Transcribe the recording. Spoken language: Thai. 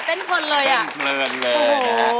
เต็นเผลินเลยนะฮะ